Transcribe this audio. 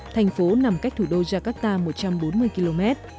thành phố nằm cách thủ đô jakarta một trăm bốn mươi km